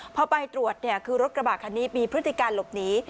พอไปตรวจคือรถกระบะคันนี้มีพฤติการหลบหนี